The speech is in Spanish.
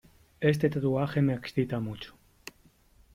Este tatuaje me excita mucho.